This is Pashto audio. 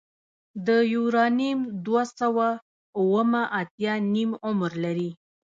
د یورانیم دوه سوه اوومه اتیا نیم عمر لري.